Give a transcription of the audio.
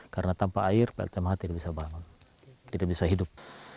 karena tanpa air pltmh tidak bisa bangun tidak bisa hidup